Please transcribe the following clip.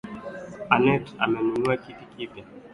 Annete amenunua kiti kipya